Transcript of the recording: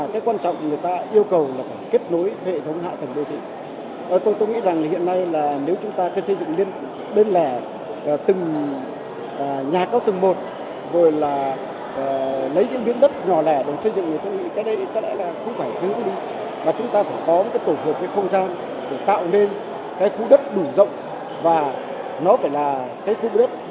và quan trọng là liên quan đến kiến trúc quy hoạch và xây dựng theo quy hoạch